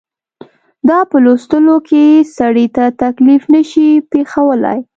دا په لوستلو کې سړي ته تکلیف نه شي پېښولای.